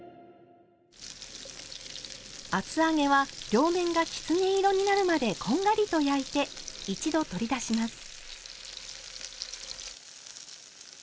厚揚げは両面がきつね色になるまでこんがりと焼いて一度取り出します。